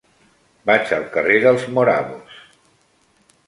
Vaig al carrer dels Morabos.